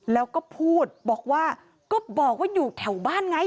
แล้วก็พูดบอกว่าก็บอกว่าอยู่แถวบ้านไง